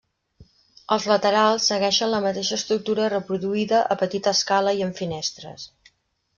Els laterals segueixen la mateixa estructura reproduïda a petita escala i amb finestres.